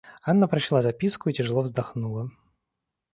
Анна прочла записку и тяжело вздохнула.